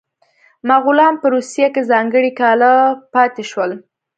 مغولان په روسیه کې ځانګړي کاله پاتې شول.